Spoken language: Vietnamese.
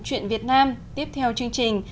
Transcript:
chuyện việt nam tiếp theo chương trình